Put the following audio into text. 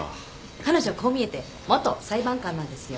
彼女こう見えて元裁判官なんですよ。